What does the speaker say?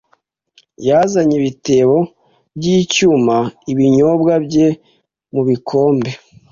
yazanye ibitebo byicyuma ibinyobwa bye mubikombe